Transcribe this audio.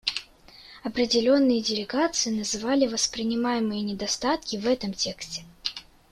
Определенные делегации называли воспринимаемые недостатки в этом тексте.